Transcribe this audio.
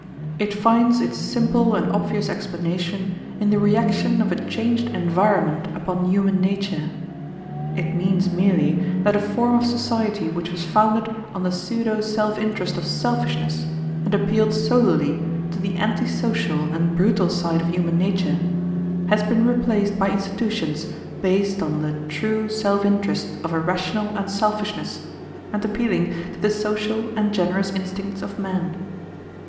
It finds its simple and obvious explanation in the reaction of a changed environment upon human nature. It means merely that a form of society which was founded on the pseudo self interest of selfishness, and appealed solely to the anti social and brutal side of human nature, has been replaced by institutions based on the true self interest of a rational unselfishness, and appealing to the social and generous instincts of men.